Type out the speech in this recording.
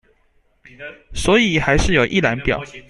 所以還是有一覽表